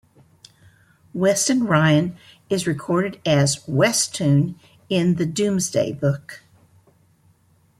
Weston Rhyn is recorded as "Westune" in the Domesday Book.